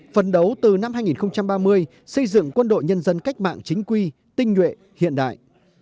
phấn đấu từ năm hai nghìn ba mươi xây dựng quân đội nhân dân cách mạng chính quy tinh nhuệ hiện đại